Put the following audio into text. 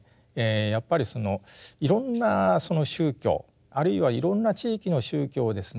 やっぱりいろんなその宗教あるいはいろんな地域の宗教をですね